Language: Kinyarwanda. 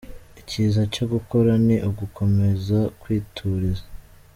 Icyiza cyo gukora ni ugukomeza kwituriza.”